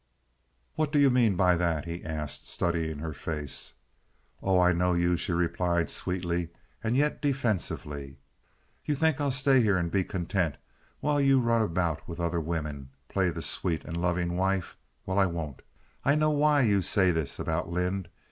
"What do you mean by that?" he asked, studying her face. "Oh, I know you," she replied, sweetly and yet defensively. "You think I'll stay here and be content while you run about with other women—play the sweet and loving wife? Well, I won't. I know why you say this about Lynde.